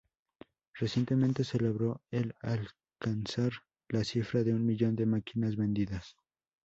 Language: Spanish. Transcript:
Recientemente celebró el alcanzar la cifra de un millón de máquinas vendidas.